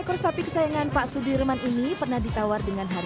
lalu saya dipercaya ajaannya mulanya sih main main aja buat kesenangan